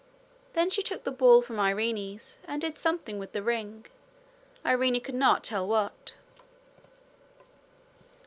Then she took the ball from Irene's, and did something with the ring Irene could not tell what.